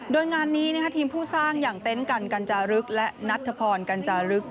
โดยงานนี้ทีมผู้สร้างอย่างเต็นต์กันกัญจารึกและนัทธพรกัญจารึก